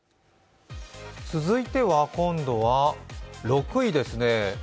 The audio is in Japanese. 続いては今度は６位ですね。